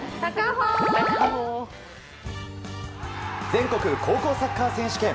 全国高校サッカー選手権。